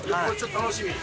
楽しみ。